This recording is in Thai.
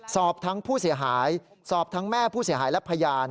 สอบทั้งผู้เสียหายสอบทั้งแม่ผู้เสียหายและพยาน